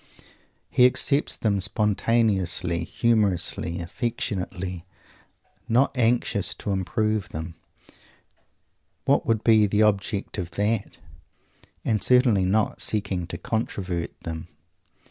He accepts them spontaneously, humorously, affectionately; not anxious to improve them what would be the object of that? and certainly not seeking to controvert them.